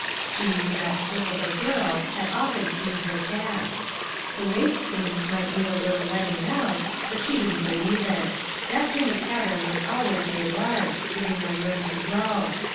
She knew that slip of a girl, had often seen her pass. The waist seams might need a little letting out, but she didn't believe it. That kind of pattern was always made large, giving them room to grow.